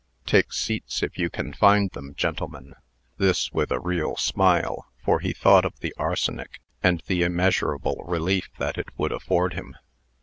"Take seats, if you can find them, gentlemen." This with a real smile, for he thought of the arsenic, and the immeasurable relief that it would afford him.